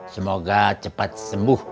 semoga cepat sembuh